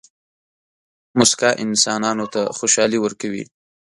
موسکا انسانانو ته خوشحالي ورکوي.